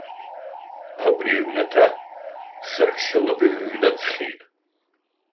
Абри аҩнаҭа саҳәшьа лыбаҩ ҩнаӡхьеит.